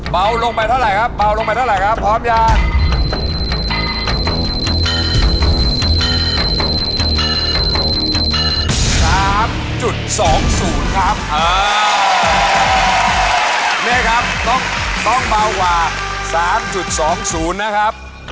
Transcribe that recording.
ปลายที่ปิดแล้วอย่าให้โดนน้ำ